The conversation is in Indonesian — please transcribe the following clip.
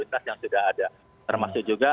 yang sudah ada termasuk juga